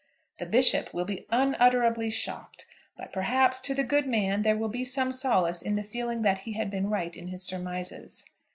The Bishop will be unutterably shocked; but, perhaps, to the good man there will be some solace in the feeling that he had been right in his surmises.